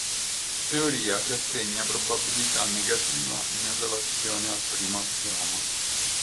Teoria che assegna probabilità negativa in relazione al primo assioma.